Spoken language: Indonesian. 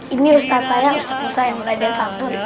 ini ustadz saya ustadz musa yang melayani asunda